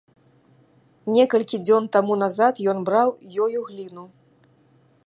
Некалькі дзён таму назад ён браў ёю гліну.